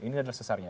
ini adalah sesarnya